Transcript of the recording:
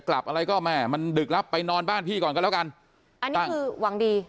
กลับอะไรก็แม่มันดึกแล้วไปนอนบ้านพี่ก่อนก็แล้วกันอันนี้คือหวังดี